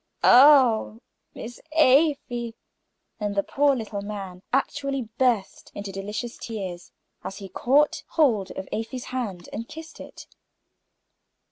"Oh, Miss Afy!" And the poor little man actually burst into delicious tears, as he caught hold of Afy's hand and kissed it.